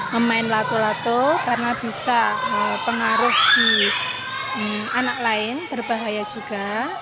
memain lato lato karena bisa pengaruh di anak lain berbahaya juga